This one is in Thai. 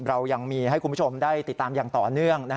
เรายังมีให้คุณผู้ชมได้ติดตามอย่างต่อเนื่อง